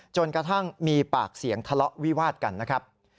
จนกระทั่งมีปากเสียงทะเลาะวิวาดกันนะครับ